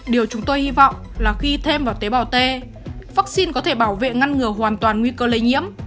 điều chúng tôi hy vọng là khi thêm vào tế bào t vaccine có thể bảo vệ ngăn ngừa hoàn toàn nguy cơ lây nhiễm